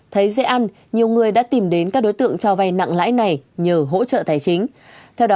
thấy dễ ăn nhiều người đã tìm đến các đối tượng cho vay nặng lãi này nhờ hỗ trợ tài chính